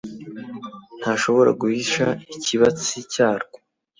ntashoba guhisha ikibatsi cyarwo